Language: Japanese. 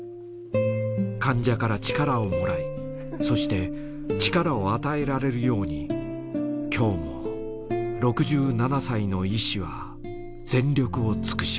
患者から力をもらいそして力を与えられるように今日も６７歳の医師は全力を尽くします。